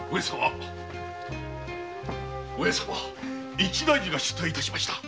上様一大事が出来致しました。